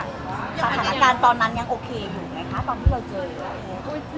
สถานการณ์ตอนนั้นยังเดี๋ยวไหมค่ะตอนที่เราเจอ